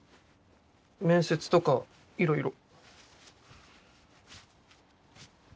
面接とかいろいろ。